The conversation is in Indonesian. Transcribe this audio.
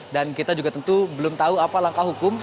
dan kita juga tentu belum tahu apa langkah hukum